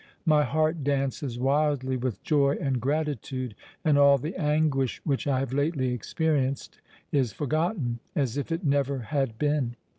My heart dances wildly with joy and gratitude; and all the anguish which I have lately experienced, is forgotten—as if it never had been.